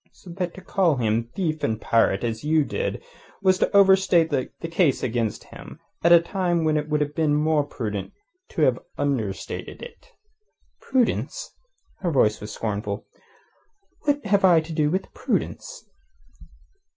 So that to call him thief and pirate as you did was to overstate the case against him at a time when it would have been more prudent to have understated it." "Prudence?" Her voice was scornful. "What have I to do with prudence?"